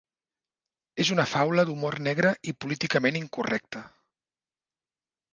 És una faula d'humor negre i políticament incorrecta.